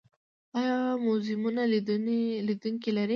آیا موزیمونه لیدونکي لري؟